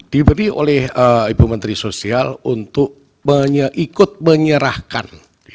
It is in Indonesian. diberi oleh ibu menteri sosial untuk ikut menyerahkan